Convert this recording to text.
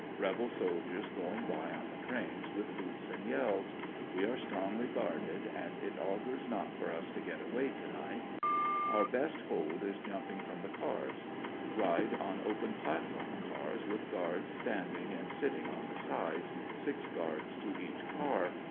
Rebel soldiers going by on the trains, with hoots and yells. We are stronglj^ guarded, and it augurs not for us to get away to night. Our best hold is jumping from the cars. Ride on open platform cars with guards standing and sitting on the sides, six guards to each car.